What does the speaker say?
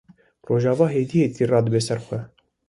Rojava hêdî hêdî radibe ser xwe.